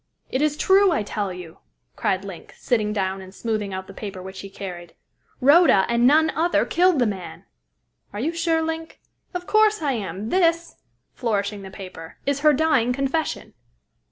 "It is true, I tell you!" cried Link, sitting down and smoothing out the paper which he carried. "Rhoda, and none other, killed the man!" "Are you sure, Link?" "Of course I am. This," flourishing the paper, "is her dying confession."